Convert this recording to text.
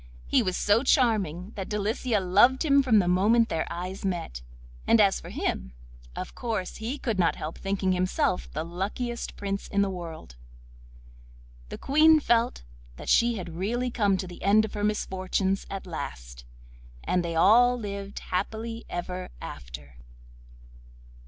He was so charming that Delicia loved him from the moment their eyes met, and as for him, of course he could not help thinking himself the luckiest Prince in the world. The Queen felt that she had really come to the end of her misfortunes at last, and they all lived happily ever after.